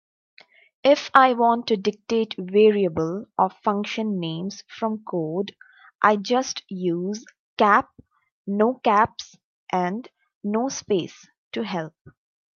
If I want to dictate variable or function names from code, I just use "cap", "no caps", and "no space" to help.